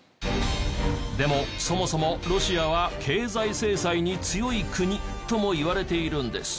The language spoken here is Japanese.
でもそもそもロシアは経済制裁に強い国ともいわれているんです。